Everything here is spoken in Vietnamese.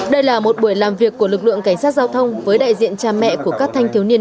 đây là một buổi làm việc của lực lượng cảnh sát giao thông với đại diện cha mẹ của các thanh thiếu niên